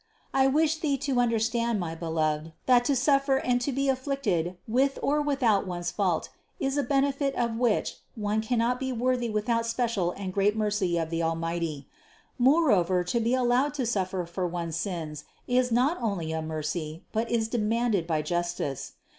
I wish thee to remember, my beloved, that to suffer and to be afflicted with or without one's fault is a benefit of which one cannot be worthy without special and great mercy of the Almighty ; moreover to be allowed to suffer for one's sins, is not only a mercy, but is demanded by justice.